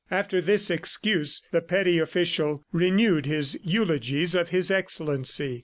After this excuse the petty official renewed his eulogies of His Excellency.